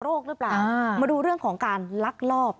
หรือเปล่ามาดูเรื่องของการลักลอบ